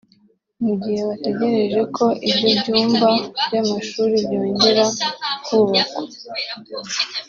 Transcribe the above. Mu gihe bategereje ko ibyo byumba by’amashuri byongera kubakwa